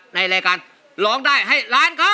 ในรายการร้องได้ให้ล้านครับ